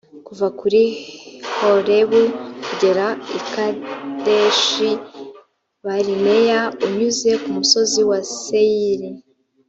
kuva kuri horebu kugera i kadeshi-barineya unyuze ku musozi wa seyiri